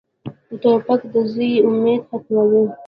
توپک د زوی امید ختموي.